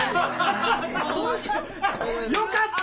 よかった！